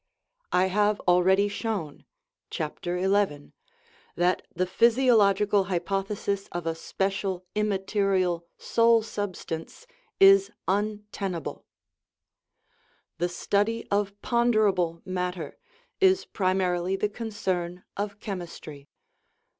I have already 16 221 THE RIDDLE OF THE UNIVERSE shown (chap, xi.) that the physiological hypothesis of a special, immaterial " soul substance " is untenable. The study of ponderable matter is primarily the con cern of chemistry.